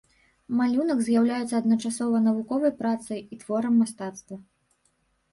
Малюнак з'яўляецца адначасова навуковай працай і творам мастацтва.